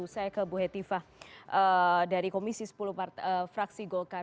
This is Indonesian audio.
saya ke bu hetifah dari komisi sepuluh fraksi golkar